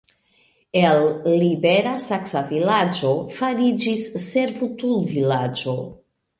El libera saksa vilaĝo fariĝis servutulvilaĝo.